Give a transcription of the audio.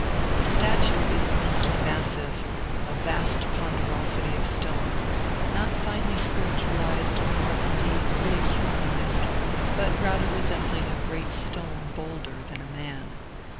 The statue is immensely massive, a vast ponderosity of stone, not finely spiritualized, nor, indeed, fully humanized, but rather resembling a great stone bowlder than a man.